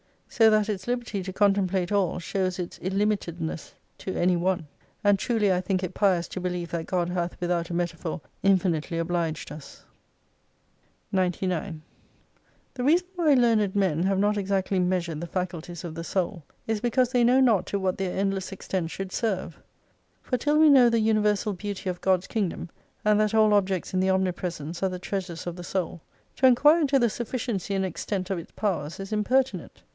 So that its liberty to con template all shows its illimitedness to any one. And truly I think it pious to believe that God hath without a metaphor infinitely obliged us. 99 The reason why learned men have not exactly measured the faculties of the soul, is because they know not to what their endless extent should serve. For till we know the universal beauty of God's Kingdom, and that all objects in the omnipresence are the treasures of the soul, to enquire into the sufficiency and extent of its powers is impertinent.